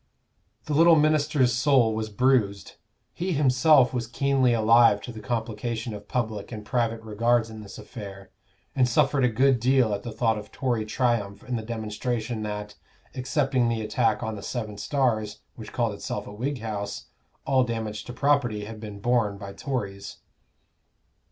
The little minister's soul was bruised; he himself was keenly alive to the complication of public and private regards in this affair, and suffered a good deal at the thought of Tory triumph in the demonstration that, excepting the attack on the Seven Stars, which called itself a Whig house, all damage to property had been borne by Tories.